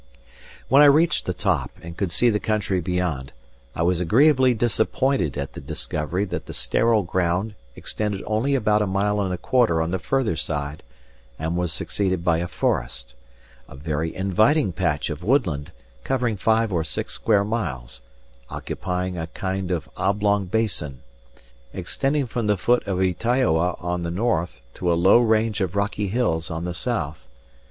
When I reached the top and could see the country beyond, I was agreeably disappointed at the discovery that the sterile ground extended only about a mile and a quarter on the further side, and was succeeded by a forest a very inviting patch of woodland covering five or six square miles, occupying a kind of oblong basin, extending from the foot of Ytaioa on the north to a low range of rocky hills on the south.